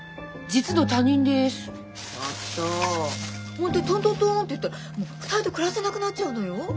本当にとんとんとんっていったら２人で暮らせなくなっちゃうのよ。